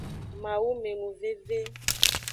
Mawumenuveve.